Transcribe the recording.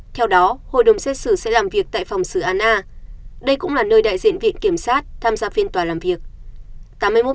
theo đó hội đồng xét xử sẽ làm việc tại phòng xử án a đây cũng là nơi đại diện viện kiểm sát tham gia phiên tòa làm việc